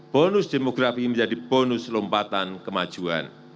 bonus demografi menjadi bonus lompatan kemajuan